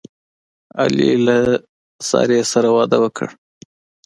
علي له سارې سره واده وکړ.